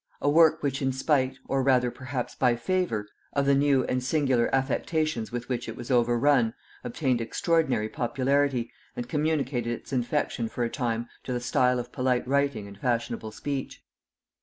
A work which in despite, or rather perhaps by favor, of the new and singular affectations with which it was overrun, obtained extraordinary popularity, and communicated its infection for a time to the style of polite writing and fashionable speech.